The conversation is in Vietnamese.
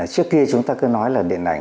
trước kia chúng ta cứ nói là điện ảnh